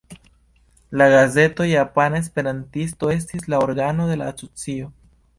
La gazeto Japana Esperantisto estis la organo de la asocio.